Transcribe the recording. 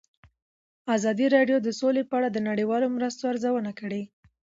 ازادي راډیو د سوله په اړه د نړیوالو مرستو ارزونه کړې.